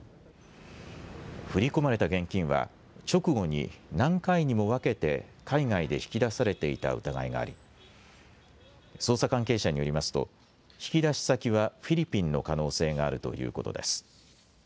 振り込まれた現金は直後に何回にも分けて海外で引き出されていた疑いがあり捜査関係者によりますと引き出し先はフィリピンの可能性があるということです。